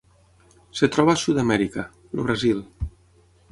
Es troba a Sud-amèrica: el Brasil.